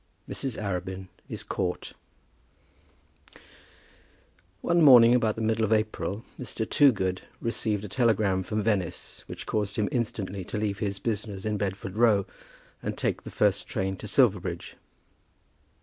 MRS. ARABIN IS CAUGHT. One morning about the middle of April Mr. Toogood received a telegram from Venice which caused him instantly to leave his business in Bedford Row and take the first train for Silverbridge.